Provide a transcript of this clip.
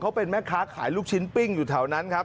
เขาเป็นแม่ค้าขายลูกชิ้นปิ้งอยู่แถวนั้นครับ